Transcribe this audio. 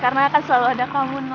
karena akan selalu ada kamu no